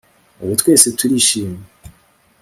Ubu twese turishimye